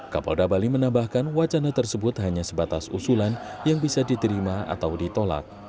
kapolda bali menambahkan wacana tersebut hanya sebatas usulan yang bisa diterima atau ditolak